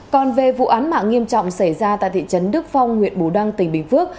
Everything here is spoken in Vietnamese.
còn về vụ án mạng nghiêm trọng xảy ra tại thị trấn đức phong huyện bù đăng tỉnh bình phước